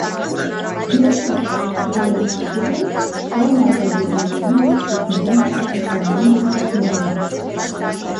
Երկրորդը՝ բոլոր մարզերում՝ չոր մարգագետիններում, թփուտներում, տափաստանային թեքություններում։